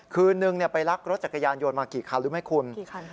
คืนนึงไปลักรถจักรยานยนต์มากี่คันรู้ไหมคุณ